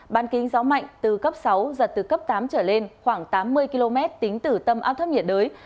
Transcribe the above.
ban kính gió mạnh từ cấp sáu giật từ cấp tám trở lên khoảng tám mươi km tính từ tâm áp thấp nhiệt đới